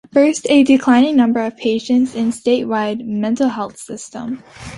First, a declining number of patients in the statewide mental health system.